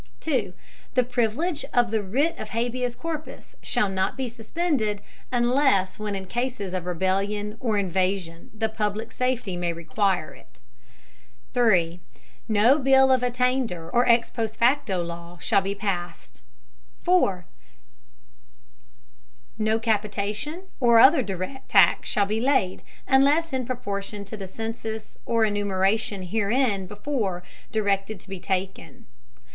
The Privilege of the Writ of Habeas Corpus shall not be suspended, unless when in Cases of Rebellion or Invasion the public Safety may require it. No Bill of Attainder or ex post facto Law shall be passed. No Capitation, or other direct, Tax shall be laid, unless in Proportion to the Census or Enumeration herein before directed to be taken.